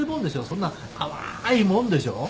そんな淡いもんでしょ。